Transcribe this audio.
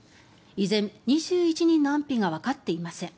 依然、２１人の安否がわかっていません。